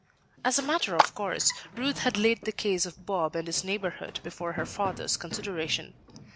As a matter of course, Ruth had laid the case of Bob and his neighborhood before her father's consideration.